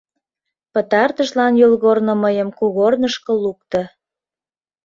Пытартышлан йолгорно мыйым кугорнышко лукто.